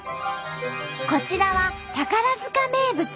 こちらは宝塚名物